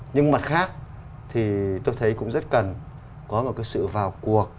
nhưng mặt khác thì tôi thấy cũng rất cần có một cái sự vào cuộc